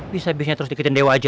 bisa bisnya terus dikitin dewa aja